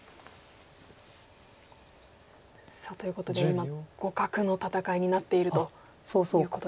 さあということで今互角の戦いになっているということですか。